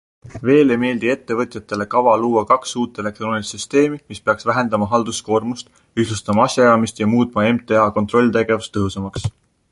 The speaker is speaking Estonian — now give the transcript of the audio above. Veel ei meeldi ettevõtjatele kava luua kaks uut elektroonilist süsteemi, mis peaks vähendama halduskoormust, ühtlustama asjaajamist ja muutma MTA kontrolltegevust tõhusamaks.